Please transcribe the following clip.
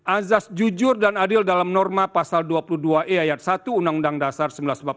azas jujur dan adil dalam norma pasal dua puluh dua e ayat satu undang undang dasar seribu sembilan ratus empat puluh lima